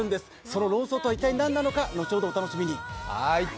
その論争とは一体何なのか、後ほどお楽しみに。